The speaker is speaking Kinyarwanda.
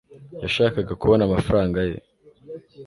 yashakaga kubona amafaranga ye